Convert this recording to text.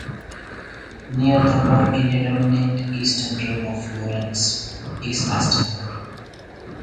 Near the more indeterminate eastern rim of Lorentz is Aston.